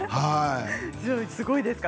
すごいですか。